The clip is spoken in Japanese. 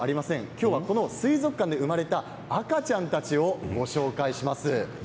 今日は、この水族館で生まれた赤ちゃんたちを紹介します。